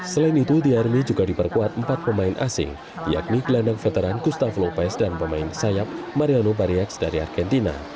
selain itu di hari ini juga diperkuat empat pemain asing yakni gelandang veteran gustav lopez dan pemain sayap mariano barriaks dari argentina